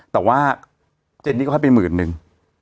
แต่ว่าเจนนี่ก็ให้ไปหมื่นนึง